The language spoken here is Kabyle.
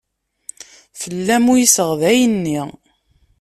Fell-am uyseɣ dayen-nni.